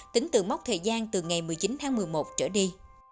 tính từ mốc thời gian từ ngày một mươi chín tháng một mươi một trở đi